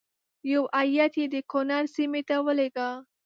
یو هیات یې د کنړ سیمې ته ولېږه.